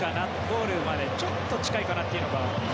ゴールまでちょっと近いかなというのが。